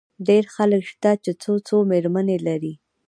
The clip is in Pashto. ډېر خلک شته، چي څو څو مېرمنې لري.